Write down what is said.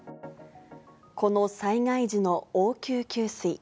この災害時の応急給水。